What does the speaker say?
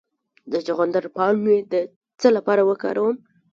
د چغندر پاڼې د څه لپاره وکاروم؟